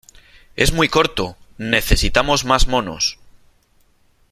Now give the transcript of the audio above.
¡ Es muy corto !¡ necesitamos más monos !